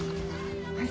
はい。